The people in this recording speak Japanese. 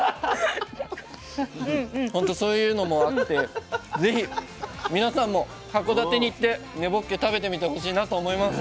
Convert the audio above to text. ほんとそういうのもあってぜひ皆さんも函館に行って根ぼっけ食べてみてほしいなと思います。